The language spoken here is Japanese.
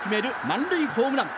満塁ホームラン。